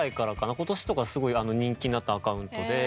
今年とかすごい人気になったアカウントで。